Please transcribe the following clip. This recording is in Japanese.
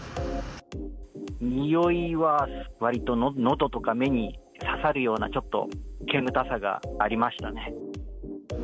臭いはわりとのどとか目に刺さるような、ちょっと煙たさがありましたね。